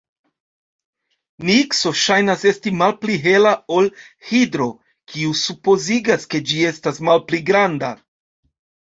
Nikso ŝajnas esti malpli hela ol Hidro, kio supozigas, ke ĝi estas malpli granda.